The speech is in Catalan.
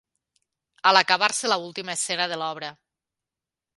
...a l'acabar-se la última escena de l'obra